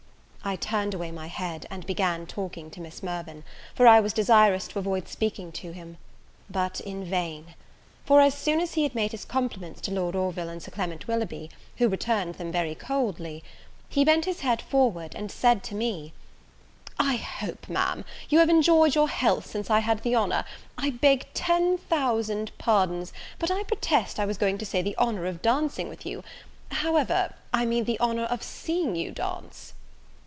I turned away my head, and began talking to Miss Mirvan; for I was desirous to avoid speaking to him but in vain; for, as soon as he had made his compliments to Lord Orville and Sir Clement Willoughby, who returned them very coldly, he bent his head forward and said to me, "I hope, Ma'am, you have enjoyed your health since I had the honour I beg ten thousand pardons, but, I protest I was going to say the honour of dancing with you however, I mean the honour of seeing you dance?"